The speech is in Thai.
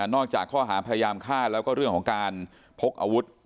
จากข้อหาพยายามฆ่าแล้วก็เรื่องของการพกอาวุธ